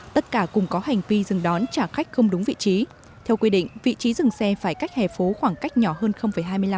tất cả cùng có hành vi dừng đón trả khách không đúng vị trí theo quy định vị trí dừng xe phải cách hẻ phố khoảng cách nhỏ hơn hai mươi năm m